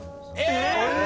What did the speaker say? え！